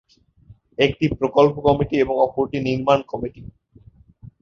একটি প্রকল্প কমিটি এবং অপরটি নির্মাণ কমিটি।